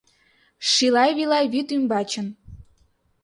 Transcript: Шилай-вилай вӱд ӱмбачын